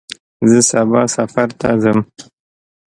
زه سبا سفر ته ځم.